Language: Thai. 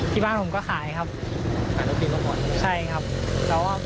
ที่บ้านผมก็ขายครับขายรสชีพทุกคนใช่ครับแล้วว่าผมอ่า